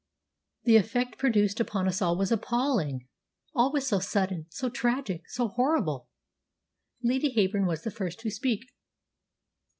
The effect produced upon us was appalling. All was so sudden, so tragic, so horrible! "Lady Heyburn was the first to speak.